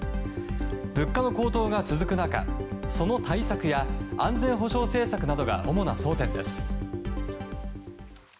物価の高騰が続く中その対策や安全保障政策などが主な争点です。